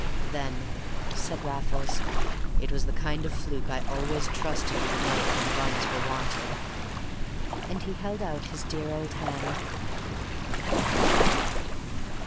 "Then," said Raffles, "it was the kind of fluke I always trusted you to make when runs were wanted." And he held out his dear old hand.